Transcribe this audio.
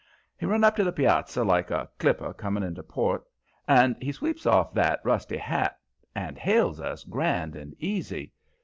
He run up to the piazza like a clipper coming into port, and he sweeps off that rusty hat and hails us grand and easy.